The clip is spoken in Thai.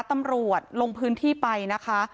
ตำรวจลงพื้นที่ไปนะคะ